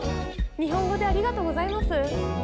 日本語でありがとうございます。